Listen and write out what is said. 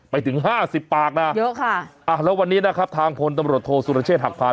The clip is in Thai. ไปถึง๕๐ปากน่ะอ่ะแล้ววันนี้นะครับทางพลตำรวจโทสุรเชษฐ์หักพลาน